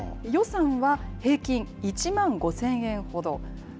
予算は平均１万５０００円ほど。